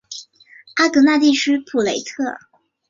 阿戈讷地区普雷特。